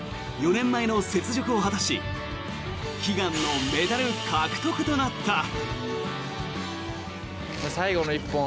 ４年前の雪辱を果たし悲願のメダル獲得となった。